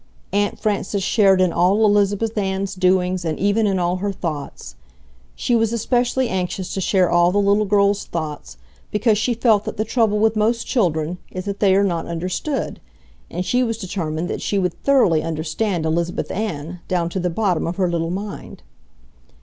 Aunt Frances shared in all Elizabeth Ann's doings and even in all her thoughts. She was especially anxious to share all the little girl's thoughts, because she felt that the trouble with most children is that they are not understood, and she was determined that she would thoroughly understand Elizabeth Ann down to the bottom of her little mind.